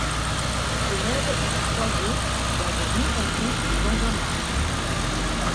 La femelle pond trois œufs dans un nid en coupe dans un arbre.